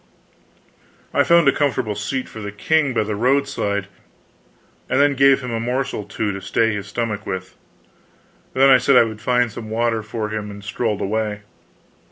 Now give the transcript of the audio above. I found a comfortable seat for the king by the roadside, and then gave him a morsel or two to stay his stomach with. Then I said I would find some water for him, and strolled away.